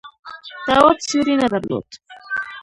تواب سیوری نه درلود.